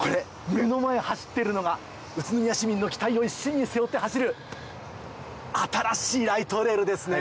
目の前走ってるのが宇都宮市民の期待を一身に背負って走る新しいライトレールですね。